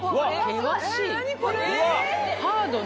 険しい。